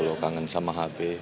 kalau kangen sama hp